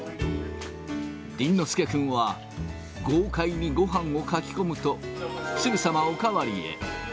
倫之亮君は、豪快にごはんをかきこむと、すぐさまお代わりへ。